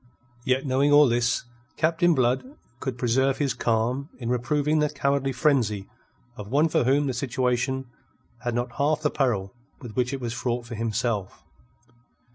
Yet, knowing all this, Captain Blood could preserve his calm in reproving the cowardly frenzy of one for whom the situation had not half the peril with which it was fraught for himself.